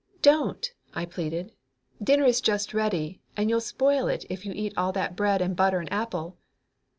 "Don't!" I pleaded. "Dinner is just ready, and you'll spoil it if you eat all that bread and butter and apple."